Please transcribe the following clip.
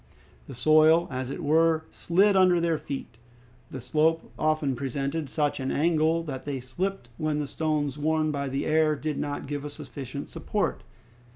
The soil, as it were, slid under their feet. The slope often presented such an angle that they slipped when the stones worn by the air did not give a sufficient support.